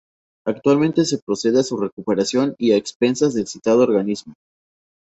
Actualmente se procede a su recuperación, a expensas del citado organismo.